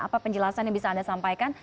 apa penjelasan yang bisa anda sampaikan